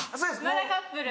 まだカップルで。